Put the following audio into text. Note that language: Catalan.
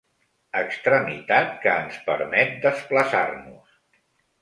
Extremitat que ens permet desplaçar-nos.